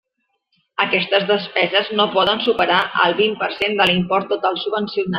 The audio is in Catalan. Aquestes despeses no poden superar el vint per cent de l'import total subvencionat.